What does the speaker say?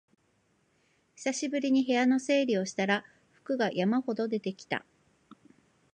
久しぶりに部屋の整理をしたら服が山ほど出てきた